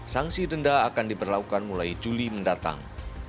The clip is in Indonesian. sanksi rendah akan diperlakukan mulai juli mendatang